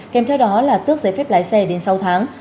kèm theo đó là tước giấy phép lái xe đến sáu tháng